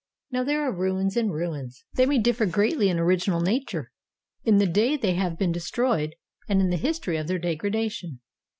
Now there are ruins and ruins: they may differ greatly in original nature, in the day they have been destroyed, and in the history of their degradation.